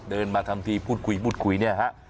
เดินมาทำทีพูดคุยเนี่ยฮะ